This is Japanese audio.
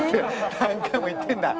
何回も行ってんだ。